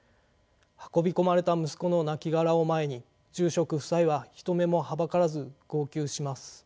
運び込まれた息子のなきがらを前に住職夫妻は人目もはばからず号泣します。